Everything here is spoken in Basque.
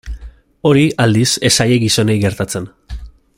Hori, aldiz, ez zaie gizonei gertatzen.